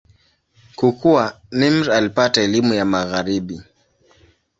Kukua, Nimr alipata elimu ya Magharibi.